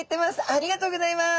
ありがとうございます！